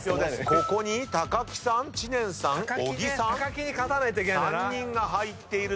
ここに木さん知念さん小木さん３人が入っているということになります。